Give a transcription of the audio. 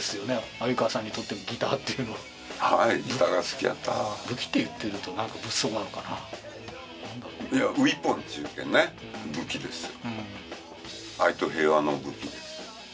鮎川さんにとってもギターっていうのははいギターが好きやった武器って言ってると何か物騒なのかないやｗｅａｐｏｎっち言うけんね武器ですよ